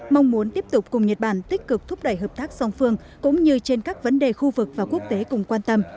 mong muốn tiếp tục cùng nhật bản tích cực thúc đẩy hợp tác song phương cũng như trên các vấn đề khu vực và quốc tế cùng quan tâm